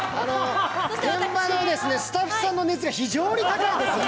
現場のスタッフさんの熱が非常に高いです。